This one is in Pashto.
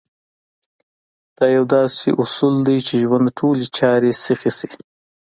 دا يو داسې اصول دی چې ژوند ټولې چارې سيخې شي.